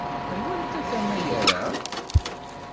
Ɣer wanta tama i yerra?